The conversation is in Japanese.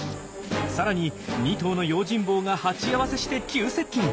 さらに２頭の用心棒が鉢合わせして急接近！